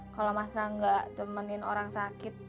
kalau mas rangga temenin orang sakit